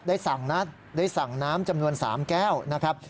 สั่งนะได้สั่งน้ำจำนวน๓แก้วนะครับ